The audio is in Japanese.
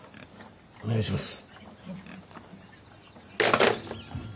お願いします。